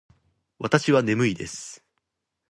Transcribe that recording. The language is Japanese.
わたしはねむいです。